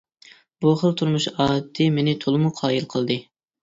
بۇ خىل تۇرمۇش ئادىتى مېنى تولىمۇ قايىل قىلدى.